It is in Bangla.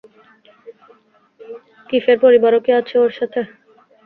কিফের পরিবারও কি ওর সাথে আছে?